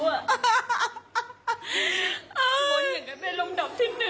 โบนอย่างกันไปลงดับที่๑เลย